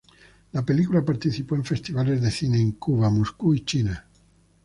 La película participó en festivales de cine en Cuba, Moscú y China.